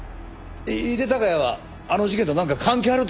井手孝也はあの事件となんか関係あるって事か？